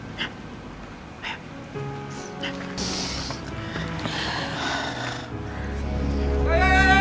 aku mau kasih surat kafe ini sama pak asem